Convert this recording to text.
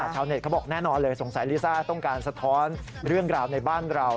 ชาวเน็ตเขาบอกแน่นอนเลยสงสัยลิซ่าต้องการสะท้อนเรื่องราวในบ้านเรา